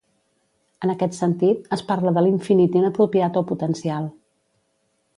En aquest sentit, es parla de l'infinit inapropiat o potencial.